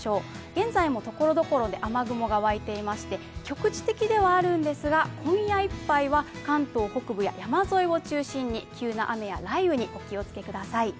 現在もところどころで雨雲が湧いていまして局地的ではあるんですが、今夜いっぱいは関東北部や山沿いを中心に急な雨や雷雨にお気をつけください。